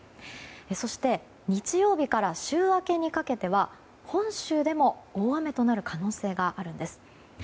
そして、日曜日から週明けにかけては本州でも大雨となる可能性があるんです。